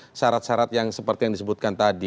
dengan syarat syarat yang seperti yang disebutkan tadi